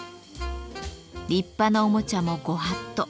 立派なおもちゃもご法度。